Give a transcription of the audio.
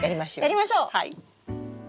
やりましょう！